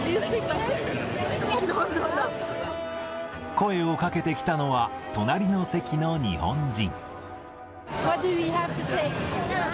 声をかけてきたのは、隣の席の日本人。